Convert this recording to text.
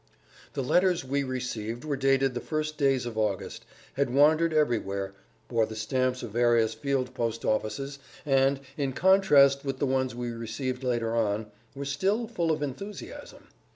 The letters we received were dated the first days of[Pg 140] August, had wandered everywhere, bore the stamps of various field post offices and, in contrast with the ones we received later on, were still full of enthusiasm.